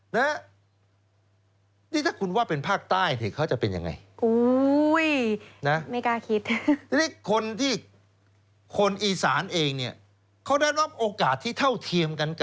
นี่ถ้าคุณว่าเป็นภาคใต้สิเขาจะเป็นยังไง